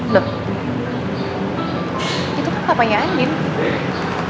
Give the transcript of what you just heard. loh itu kan kapalnya andi nih